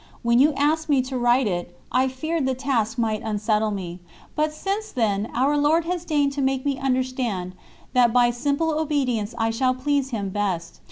When you asked me to write it, I feared the task might unsettle me, but since then Our Lord has deigned to make me understand that by simple obedience I shall please Him best.